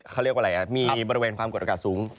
เขาเรียกว่าไรนะมีบริเวณกดอากาศสูง